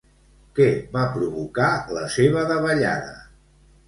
Què va provocar la seva davallada?